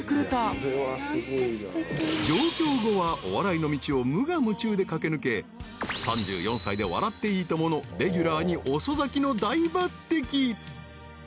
［上京後はお笑いの道を無我夢中で駆け抜け３４歳で『笑っていいとも！』のレギュラーに遅咲きの大抜てき］